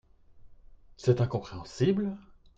C’est incompréhensible.